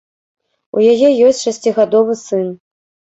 У яе ёсць шасцігадовы сын.